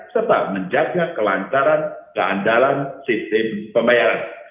serta menjaga kelancaran keandalan sistem pembayaran